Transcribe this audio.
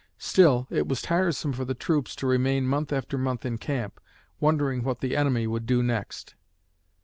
Still, it was tiresome for the troops to remain month after month in camp, wondering what the enemy would do next.